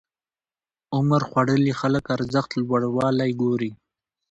عمرخوړلي خلک ارزښت لوړوالی ګوري.